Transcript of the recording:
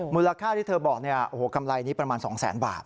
มูลค่าที่เธอบอกเนี่ยโอ้โหกำไรนี้ประมาณ๒แสนบาท